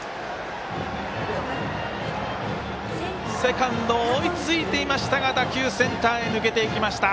セカンド、追いついていましたが打球センターへ抜けていきました。